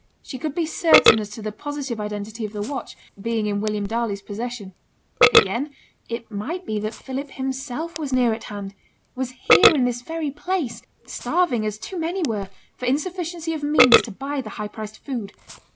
She could be certain as to the positive identity of the watch being in William Darley's possession. Again, it might be that Philip himself was near at hand was here in this very place starving, as too many were, for insufficiency of means to buy the high priced food.